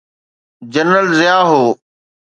General Zia هو.